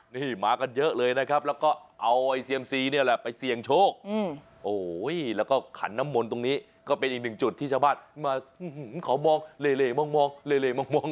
นี่มากันเยอะเลยนะครับแล้วก็เอาไอ้เซียมซีเนี่ยแหละไปเสี่ยงโชคแล้วก็ขันน้ำมนต์ตรงนี้ก็เป็นอีกหนึ่งจุดที่ชาวบ้านมาขอมองเล่มองเล่มอง